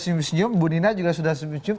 senyum senyum bu nina juga sudah senyum senyum